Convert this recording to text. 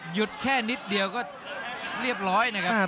แค่นิดเดียวก็เรียบร้อยนะครับ